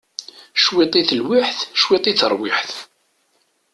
Cwiṭ i telwiḥt cwiṭ i teṛwiḥt!